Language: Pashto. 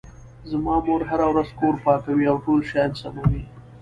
زما مور هره ورځ کور پاکوي او ټول شیان سموي